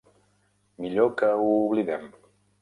Millor que ho oblidem.